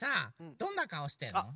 どんなかおしてんの？